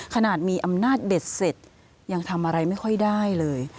ขนาดมีอำนาจเบ็ดเสร็จยังทำอะไรไม่ค่อยได้เลย